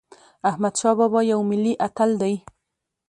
احمدشاه بابا یو ملي اتل دی.